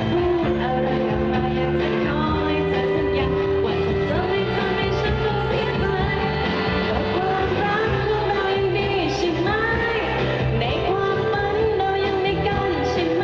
ความรักความรักของเรายังดีใช่ไหมในความมันเรายังไม่กั้นใช่ไหม